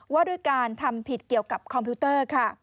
ว่าด้วยการทำผิดเกี่ยวกับคอมพิวเตอร์ค่ะ